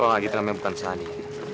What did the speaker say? oh gak gitu lah membutuhkan sani